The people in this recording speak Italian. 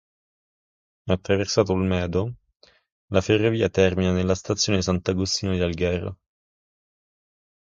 Attraversata Olmedo, la ferrovia termina nella stazione Sant'Agostino di Alghero.